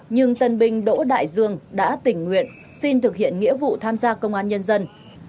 nhưng tân binh đỗ đại dương đã tình nguyện xin thực hiện nghĩa vụ tham gia công an nhân dân